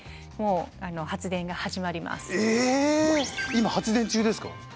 今発電中ですか？